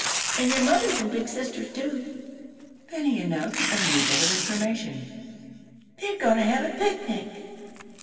An' their mothers an' big sisters too." Then he announced a new bit of information: "They're goin' to have a picnic."